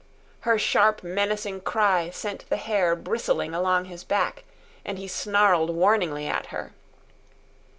Her sharp, menacing cry sent the hair bristling along his back, and he snarled warningly at her.